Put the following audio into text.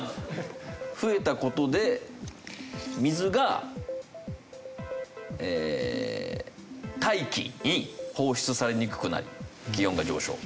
増えた事で水が大気に放出されにくくなり気温が上昇。